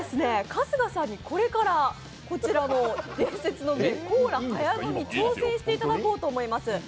春日さんにこれからこちらの伝説のコーラ早飲み、挑戦していただこうと思います。